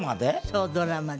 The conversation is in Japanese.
そうドラマで。